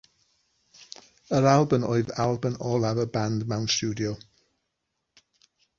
Yr albwm oedd albwm olaf y band mewn stiwdio.